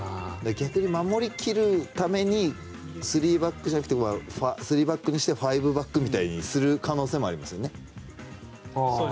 逆に守りきるために３バックにして５バックみたいにする可能性もありますね。